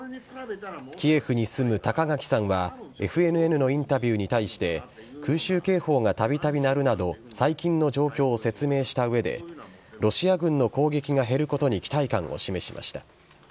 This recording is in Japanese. キエフに住む高垣さんは、ＦＮＮのインタビューに対して、空襲警報がたびたび鳴るなど、最近の状況を説明したうえで、ロシア軍の攻撃が減ることに期待感を示しました。